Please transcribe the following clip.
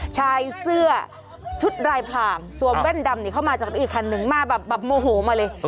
ชายเสื้อชุดลายพลางสวมแว่นดำเข้ามาจากรถอีกคันนึงมาแบบโมโหมาเลย